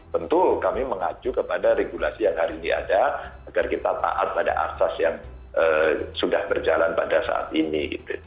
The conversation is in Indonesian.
tentu kami mengacu kepada regulasi yang hari ini ada agar kita taat pada asas yang sudah berjalan pada saat ini